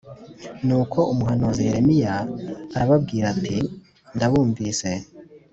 Nuko umuhanuzi Yeremiya arababwira ati ndabumvise